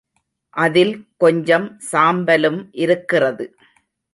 அதில் கொஞ்சம் சாம்பலும் இருக்கிறது.